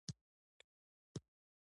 د پیرود ځای پاکوالی ډېر مهم دی.